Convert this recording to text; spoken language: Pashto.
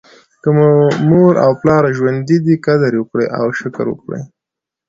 که مو مور او پلار ژوندي دي قدر یې وکړئ او شکر وکړئ.